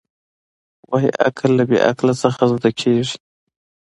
وايي عقل له بې عقله څخه زده کېږي.